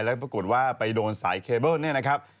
แล้วปรากฏว่าไปโดนสายเคเบิ้ลเนี่ยนะครับ